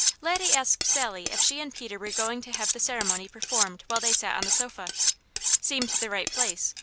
Laddie asked Sally if she and Peter were going to have the ceremony performed while they sat on the sofa. Seemed the right place.